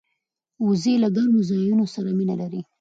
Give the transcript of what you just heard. وزې له ګرمو ځایونو سره مینه لري